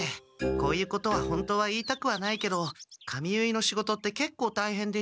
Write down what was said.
こういうことは本当は言いたくはないけど髪結いの仕事ってけっこうたいへんで父の教えに。